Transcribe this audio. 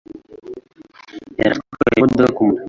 Yari atwaye imodoka kumuhanda.